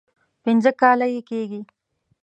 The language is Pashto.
پنځه کاله یې کېږي.